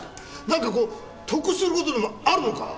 何かこう得することでもあるのか？